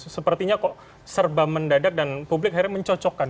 sepertinya kok serba mendadak dan publik akhirnya mencocokkan